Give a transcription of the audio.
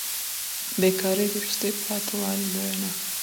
بې کاري د وروسته پاته والي لویه نښه ده.